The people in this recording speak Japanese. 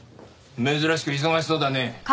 珍しく忙しそうだね。